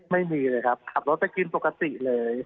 ไม่มีเลยครับขับรถไปกินปกติเลย